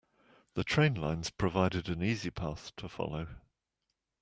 The train lines provided an easy path to follow.